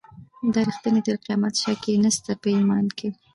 دا ریښتونی تر قیامته شک یې نسته په ایمان کي